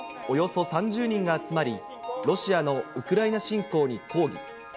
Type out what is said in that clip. およそ３０人が集まり、ロシアのウクライナ侵攻に抗議。